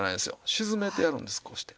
沈めてやるんですこうして。